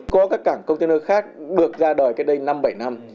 có các cảng container khác được ra đời cách đây năm bảy năm